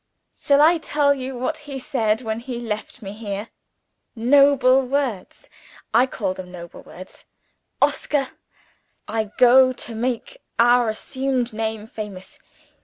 Shall I tell you what he said when he left me here? Noble words I call them noble words. 'Oscar, I go to make our assumed name famous.